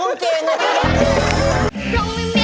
มันเป็นคำของผมครับ